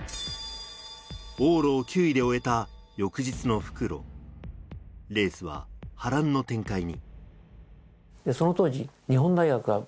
往路を９位で終えた翌日の復路、レースは波乱の展開に。